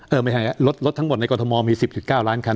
เออไม่แหงละรถรถทั้งหมดในกรทมอร์มีสิบจุดเก้าล้านคัน